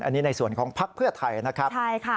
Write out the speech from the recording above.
อันนี้ในส่วนของภักดิ์เพื่อไทยนะครับ